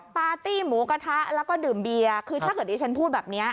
ปาร์ตี้หมูกระทะแล้วก็ดื่มเบียร์คือถ้าเกิดดิฉันพูดแบบนี้